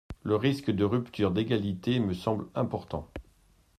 Le risque de rupture d’égalité me semble important.